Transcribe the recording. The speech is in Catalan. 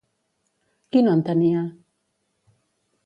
Qui no en tenia?